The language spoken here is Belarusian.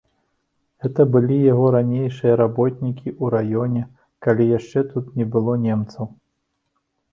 Гэта былі яго ранейшыя работнікі ў раёне, калі яшчэ тут не было немцаў.